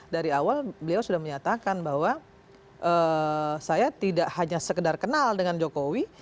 dari awal beliau sudah menyatakan bahwa saya tidak hanya sekedar kenal dengan jokowi